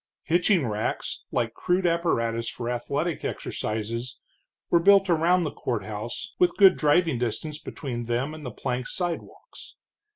Hitching racks, like crude apparatus for athletic exercises, were built around the courthouse, with good driving distance between them and the plank sidewalks.